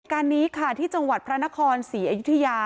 การนี้ค่ะที่จังหวัดพระนครศรีอยุธยา